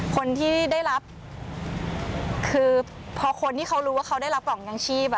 คนที่ได้รับคือพอคนที่เขารู้ว่าเขาได้รับกล่องยางชีพ